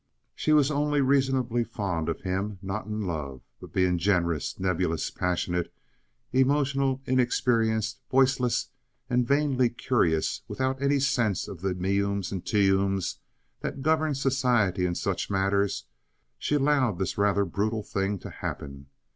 She was only reasonably fond of him, not in love; but, being generous, nebulous, passionate, emotional, inexperienced, voiceless, and vainly curious, without any sense of the meums and teums that govern society in such matters, she allowed this rather brutal thing to happen.